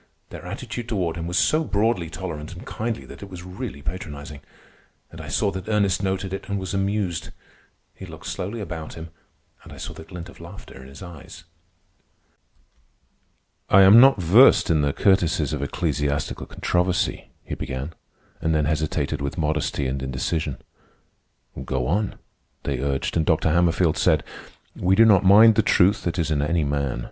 Their attitude toward him was so broadly tolerant and kindly that it was really patronizing. And I saw that Ernest noted it and was amused. He looked slowly about him, and I saw the glint of laughter in his eyes. "I am not versed in the courtesies of ecclesiastical controversy," he began, and then hesitated with modesty and indecision. "Go on," they urged, and Dr. Hammerfield said: "We do not mind the truth that is in any man.